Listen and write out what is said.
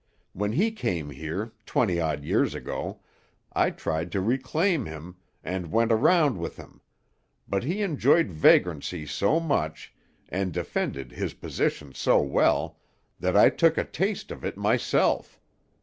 When he came here, twenty odd years ago, I tried to reclaim him, and went around with him; but he enjoyed vagrancy so much, and defended his position so well, that I took a taste of it myself.